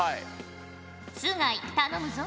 須貝頼むぞ。